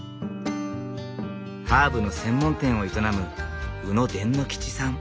ハーブの専門店を営む鵜野傳之吉さん。